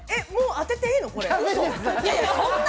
もう当てていいの？